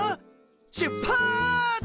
しゅっぱつ！